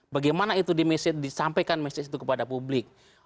bagaimana itu di mesej disampaikan message itu kepada publik